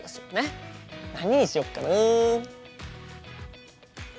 何にしよっかな？